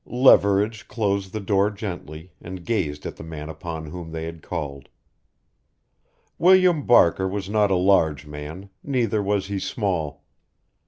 Leverage closed the door gently and gazed at the man upon whom they had called. William Barker was not a large man; neither was he small.